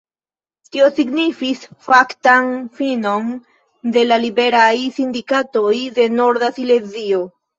Tio signifis faktan finon de la Liberaj Sindikatoj de Norda Silezio.